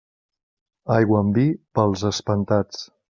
Aigua amb vi, pels espantats.